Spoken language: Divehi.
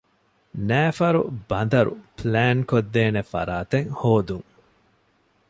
ނައިފަރު ބަނދަރު ޕްލޭންކޮށްދޭނެ ފަރާތެއް ހޯދުން